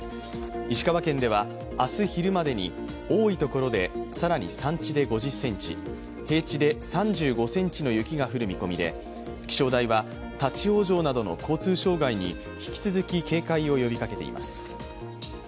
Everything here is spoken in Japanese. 石川県では明日昼までに多い所で更に山地で５０ｃｍ平地で３５ｃｍの雪が降る見込みで気象台は、立往生などの交通障害に引き続き警戒を呼びかけています。